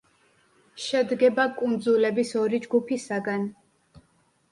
შედგება კუნძულების ორი ჯგუფისაგან.